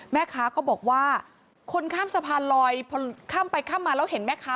แม่ค้าก็บอกว่าคนข้ามสะพานลอยพอข้ามไปข้ามมาแล้วเห็นแม่ค้า